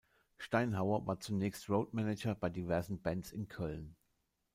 Steinhauer war zunächst Roadmanager bei diversen Bands in Köln.